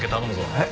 えっ？